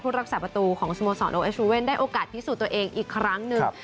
รักษาประตูของสโมสรโอเอสูเว่นได้โอกาสพิสูจน์ตัวเองอีกครั้งหนึ่ง